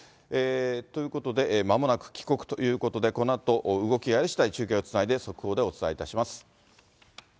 ということで、まもなく帰国ということで、このあと、動きがありしだい、中継をつないで速報でお伝えいたします。